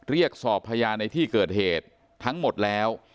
เรียกสอบพยานในที่เกิดเหตุทั้งหมดแล้ว